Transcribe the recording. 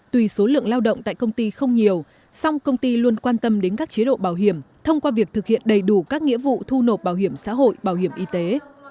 tùy số lượng lao động tại công ty không nhiều song công ty luôn quan tâm đến các chế độ bảo hiểm thông qua việc thực hiện đầy đủ các nghĩa vụ thu nộp bảo hiểm xã hội bảo hiểm y tế